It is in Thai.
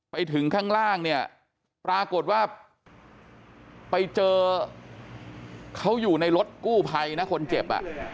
ไปถึงข้างล่างเนี่ยปรากฏว่าไปเจอเขาอยู่ในรถกู้ภัยนะคนเจ็บอ่ะ